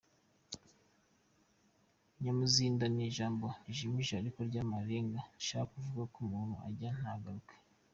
Nyamuzinda ni ijambo rijimije ariko ry’amarenga rishaka kuvuga iyo umuntu ajya ntagaruke.